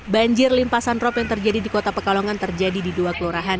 banjir limpasan rop yang terjadi di kota pekalongan terjadi di dua kelurahan